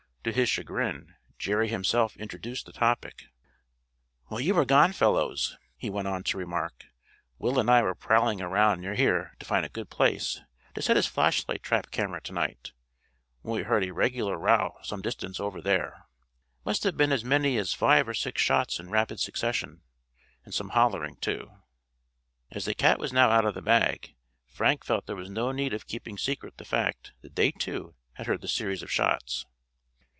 To his chagrin Jerry himself introduced the topic. "While you were gone, fellows," he went on to remark, "Will and I were prowling around near here to find a good place to set his flashlight trap camera to night, when we heard a regular row some distance over there. Must have been as many as five or six shots in rapid succession, and some hollering, too." As the cat was now out of the bag, Frank felt there was no need of keeping secret the fact that they, too, had heard the series of shots.